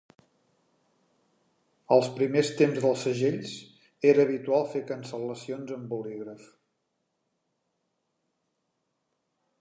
Als primers temps dels segells, era habitual fer cancel·lacions amb bolígraf.